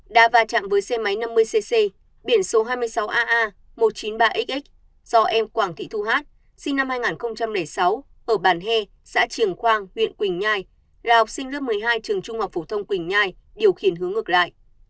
đã va chạm với xe máy năm mươi cc biển số hai mươi sáu aa một trăm chín mươi ba xx do em quảng thị thu hát sinh năm hai nghìn sáu ở bản he xã triềng khoang huyện quỳnh nhai là học sinh lớp một mươi hai trường trung học phổ thông quỳnh nhai điều khiển hướng ngược lại